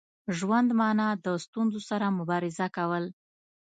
ژوند مانا د ستونزو سره مبارزه کول.